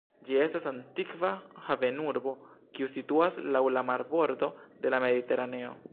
Ĝi estas antikva havenurbo kiu situas laŭ la marbordo de la Mediteraneo.